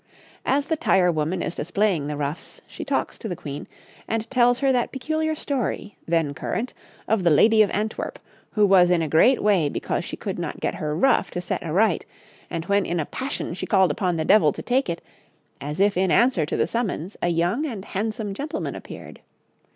As the tire woman is displaying the ruffs she talks to the Queen, and tells her that peculiar story, then current, of the Lady of Antwerp, who was in a great way because she could not get her ruff to set aright, and when in a passion she called upon the devil to take it, as if in answer to the summons a young and handsome gentleman appeared.